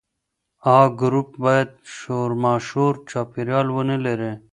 A ګروپ باید شورماشور چاپیریال ونه لري.